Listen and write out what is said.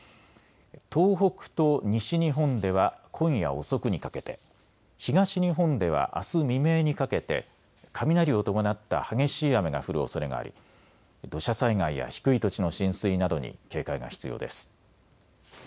東北と西日本では今夜遅くにかけて、東日本ではあす未明にかけて雷を伴った激しい雨が降るおそれがあり土砂災害や低い土地の浸水などに警戒が必要です。